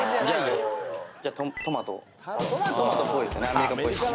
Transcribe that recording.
アメリカっぽいっす。